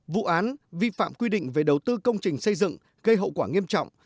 vụ án vi phạm quy định về đầu tư công trình xây dựng gây hậu quả nghiêm trọng